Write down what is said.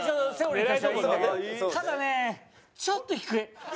ただねちょっと低い。